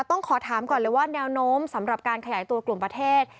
ต้องขอถามก่อนเลยว่าแนวโน้มสำหรับการขยายตัวกลุ่มประเทศ